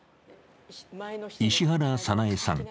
石原早苗さん。